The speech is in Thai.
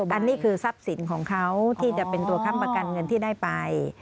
อันนี้คือทรัพย์สินของเขาที่จะเป็นตัวค้ำประกันเงินที่ได้ไป